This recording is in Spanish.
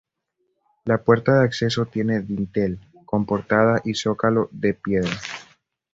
La puerta de acceso tiene dintel, con portada y zócalo de piedra.